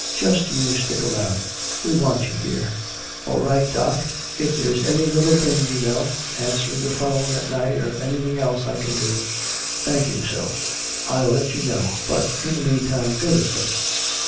Just you stick around. We want you here." "All right, Doc. If there's any little thing, you know answering the 'phone at night or anything else that I can do " "Thank you, so; I'll let you know. But in the meantime go to bed."